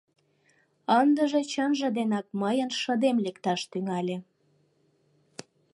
Ындыже чынже денак мыйын шыдем лекташ тӱҥале.